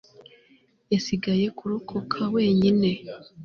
yasigaye kurokoka wenyine